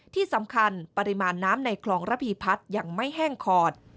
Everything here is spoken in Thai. ที่สำคัญปริมาณน้ำในคลองระพีพัฒน์ยังไม่แห้งขอด